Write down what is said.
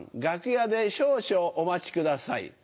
楽屋で少々お待ちください。